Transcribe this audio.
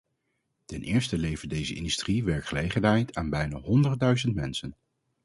Ten eerste levert deze industrie werkgelegenheid aan bijna honderdduizend mensen.